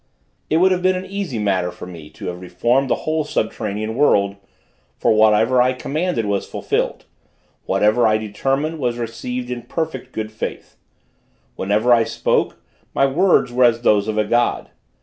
It would have been an easy matter for me to have reformed the whole subterranean world, for whatever I commanded was fulfilled; whatever I determined was received in perfect good faith; whenever I spoke, my words were as those of a God.